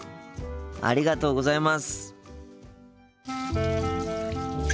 ありがとうございます。